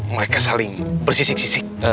mereka saling bersisik sisik